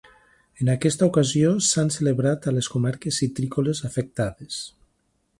En aquesta ocasió s’han celebrat a les comarques citrícoles afectades.